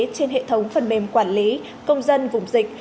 trên hệ thống phần mềm quản lý công dân vùng dịch